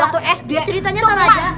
ya udah ceritanya ntar aja